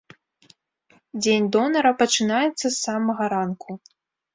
Дзень донара пачынаецца з самага ранку.